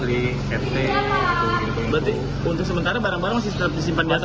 berarti untuk sementara barang barang masih tetap disimpan di atas